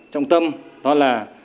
trong tâm đó là